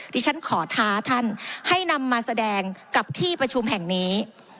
ที่ฉันขอท้าท่านให้นำมาแสดงกับที่ประชุมแห่งนี้